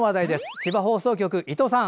千葉放送局、伊藤さん。